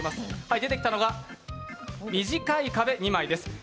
出てきたのが、短い壁２枚です。